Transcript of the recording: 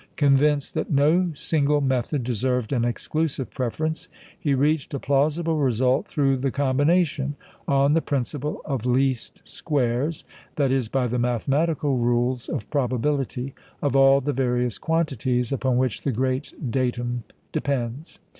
Convinced that no single method deserved an exclusive preference, he reached a plausible result through the combination, on the principle of least squares that is, by the mathematical rules of probability of all the various quantities upon which the great datum depends.